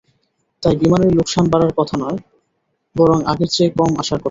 তাই বিমানের লোকসান বাড়ার কথা নয়, বরং আগের চেয়ে কমে আসার কথা।